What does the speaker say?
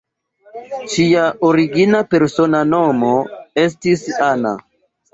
Ŝia origina persona nomo estis "Anna".